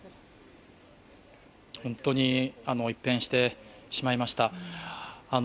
本当に一変してしまいました。